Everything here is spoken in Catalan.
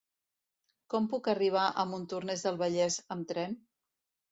Com puc arribar a Montornès del Vallès amb tren?